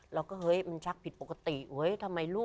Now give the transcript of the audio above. แล้วก็เฮ้ยมันชักผิดปกติเห้ย